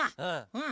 うん。